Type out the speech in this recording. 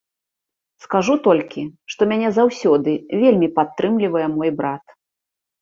Скажу толькі, што мяне заўсёды вельмі падтрымлівае мой брат.